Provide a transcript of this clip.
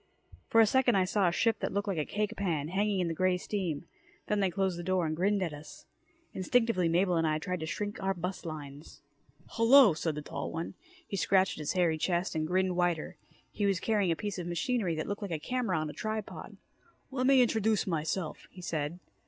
For a second I saw a ship that looked like a cake pan, hanging in the grey steam. Then they closed the door and grinned at us. Instinctively, Mabel and I tried to shrink our bust lines. "Hello," said the tall one. He scratched at his hairy chest and grinned wider. He was carrying a piece of machinery that looked like a camera on a tripod. "Lemme introduce myself," he said.